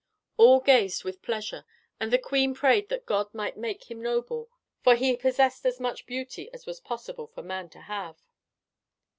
All gazed with pleasure, and the queen prayed that God might make him noble, for he possessed as much beauty as was possible for man to have.